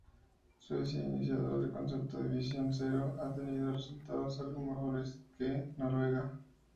Suecia, iniciador del concepto de "Visión Cero", ha tenido resultados algo mejores que Noruega.